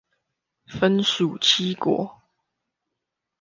分屬七國